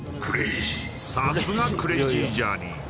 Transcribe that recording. さすがクレイジージャーニー